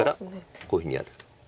こういうふうにやる。